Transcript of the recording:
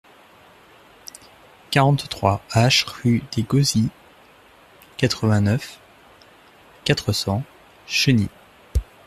quarante-trois H rue des Gauzys, quatre-vingt-neuf, quatre cents, Cheny